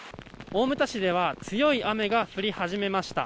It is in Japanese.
大牟田市では強い雨が降り始めました。